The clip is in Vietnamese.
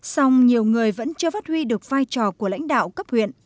song nhiều người vẫn chưa phát huy được vai trò của lãnh đạo cấp huyện